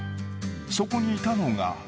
そこにいたのが。